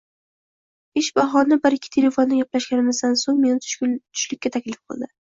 Ish bahona bir-ikki telefonda gaplashganimizdan so`ng meni tushlikka taklif qildi